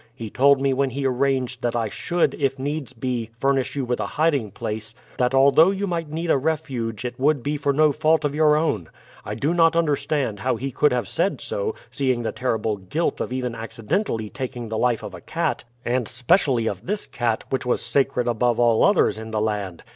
He told me when he arranged that I should, if needs be, furnish you with a hiding place, that although you might need a refuge it would be for no fault of your own. I do not understand how he could have said so, seeing the terrible guilt of even accidentally taking the life of a cat, and specially of this cat, which was sacred above all others in the land.